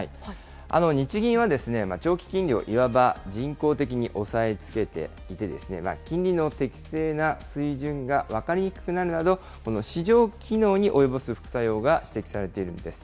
日銀は長期金利をいわば人工的に抑えつけていて、金利の適正な水準が分かりにくくなるなど、市場機能に及ぼす副作用が指摘されているんです。